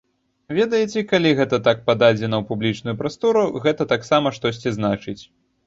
Ведаеце, калі гэта так пададзена ў публічную прастору, гэта таксама штосьці значыць.